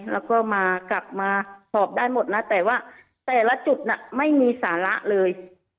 แล้วก็มากลับมาสอบได้หมดนะแต่ว่าแต่ละจุดน่ะไม่มีสาระเลย